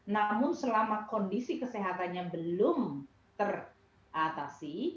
namun selama kondisi kesehatannya belum teratasi